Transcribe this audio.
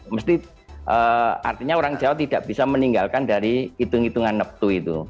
mesti artinya orang jawa tidak bisa meninggalkan dari hitung hitungan neptu itu